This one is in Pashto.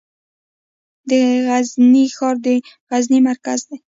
د غزني ښار د غزني مرکز دی